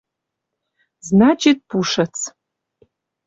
Значит, пушыц